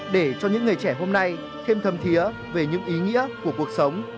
để cho những người trẻ hôm nay thêm thâm thiếa về những ý nghĩa của cuộc sống